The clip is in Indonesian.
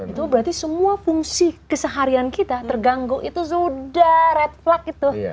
itu berarti semua fungsi keseharian kita terganggu itu sudah red fluck itu